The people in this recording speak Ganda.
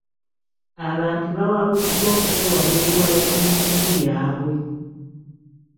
Abantu bawabuddwa okwewala ebiwayi mu bitundu byabwe.